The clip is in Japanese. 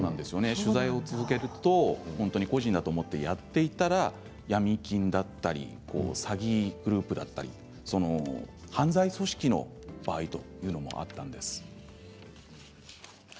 取材を続けると個人だと思ってやっていたらヤミ金だったり詐欺グループだったり犯罪組織の場合というのもあったんです。